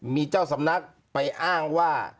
มีเจ้าสำนักไปอ้างว่า